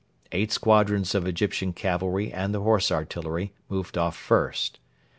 Eight squadrons of Egyptian cavalry and the Horse Artillery moved off first.